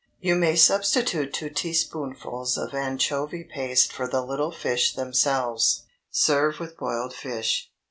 You may substitute two teaspoonfuls of anchovy paste for the little fish themselves. Serve with boiled fish.